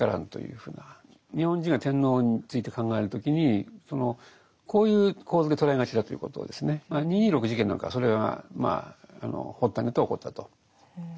ふうな日本人は天皇について考える時にこういう構図で捉えがちだということをですね二・二六事件なんかはそれが発端になって起こったと。